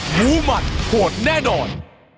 หูหมัดโหดแน่นอน